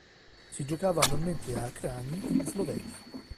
Si giocava annualmente a Kranj in Slovenia.